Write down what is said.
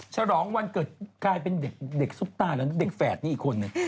ฉลองวันเกิดกลายเป็นเด็กซุปตาแล้วเด็กแฝดนี่อีกคนนึง